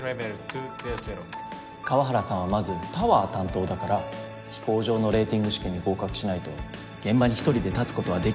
河原さんはまずタワー担当だから飛行場のレーティング試験に合格しないと現場に一人で立つ事はできないから。